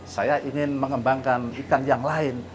saya ingin mengembangkan ikan yang lain